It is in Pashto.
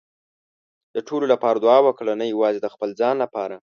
د ټولو لپاره دعا وکړه، نه یوازې د خپل ځان لپاره.